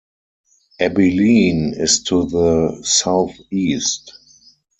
Abilene is to the southeast.